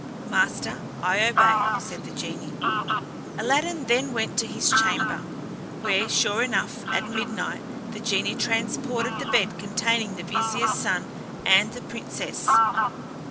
"Master, I obey," said the genie. Aladdin then went to his chamber, where, sure enough, at midnight the genie transported the bed containing the vizier's son and the Princess.